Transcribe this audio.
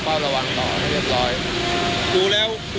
สถานการณ์ข้อมูล